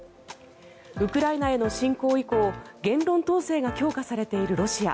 ウクライナへの侵攻以降言論統制が強化されているロシア。